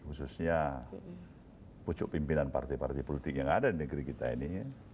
khususnya pucuk pimpinan partai partai politik yang ada di negeri kita ini